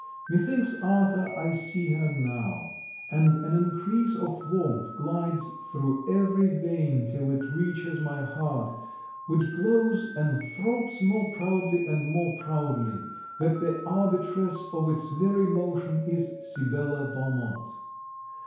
Methinks, Arthur, I see her now: and an increase of warmth glides through every vein till it reaches my heart, which glows and throbs more proudly and more proudly, that the arbitress of its every motion is Sibella Valmont.